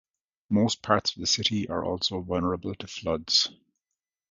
Most parts of the city are also vulnerable to floods.